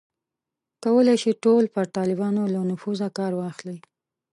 کولای یې شول پر طالبانو له نفوذه کار واخلي.